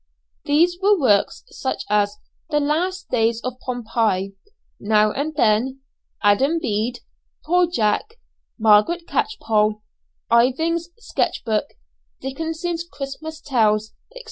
These were such works as "The Last Days of Pompeii," "Now and Then," "Adam Bede," "Poor Jack," "Margaret Catchpole," "Irving's Sketch book," "Dickens's Christmas Tales," &c.